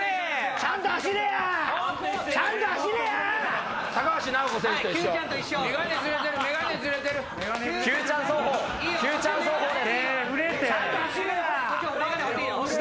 ちゃんと走れや！